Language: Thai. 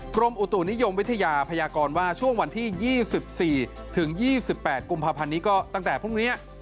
กรมอุตุนิยมวิทยาพยากรว่าช่วงวันที่๒๔ถึง๒๘กุมภาพันธ์นี้ก็ตั้งแต่พรุ่งนี้